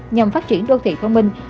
nhằm phát triển đô thị thông minh